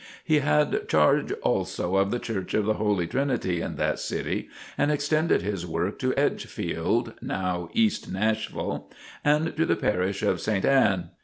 He had charge also of the Church of the Holy Trinity in that city, and extended his work to Edgefield, (now East Nashville), and to the parish of St Ann.